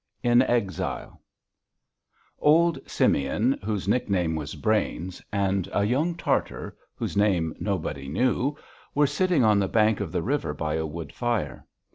IN EXILE Old Simeon, whose nickname was Brains, and a young Tartar, whose name nobody knew, were sitting on the bank of the river by a wood fire.